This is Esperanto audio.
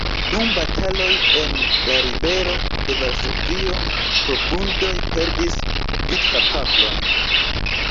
Dum bataloj en la ribelo de Varsovio pro vundoj perdis vidkapablon.